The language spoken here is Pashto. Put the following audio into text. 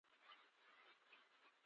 ډیر خوشحال یم چې دلته یم.